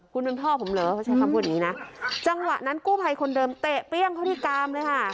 คุณเป็นพ่อผมเหรอเขาใช้คำพูดอย่างนี้นะจังหวะนั้นกู้ภัยคนเดิมเตะเปรี้ยงเข้าที่กามเลยค่ะ